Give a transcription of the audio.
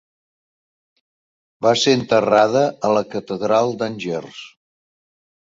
Va ser enterrada a la Catedral d'Angers.